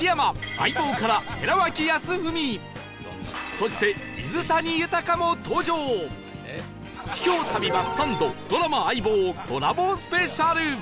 そして秘境旅バスサンドドラマ『相棒』コラボスペシャル